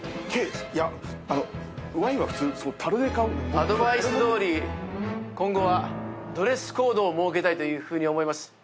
アドバイスどおり今後はドレスコードを設けたいというふうに思います。